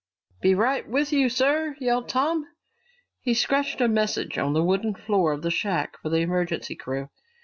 "Be right with you, sir!" yelled Tom. He scratched a message on the wooden floor of the shack for the emergency crew.